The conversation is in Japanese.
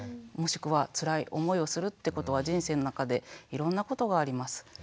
もしくはつらい思いをするってことは人生の中でいろんなことがあります。